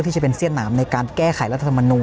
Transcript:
ที่จะเป็นเสี้ยหนามในการแก้ไขรัฐธรรมนูล